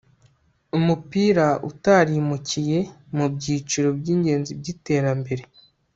umupira utarimukiye mubyiciro byingenzi byiterambere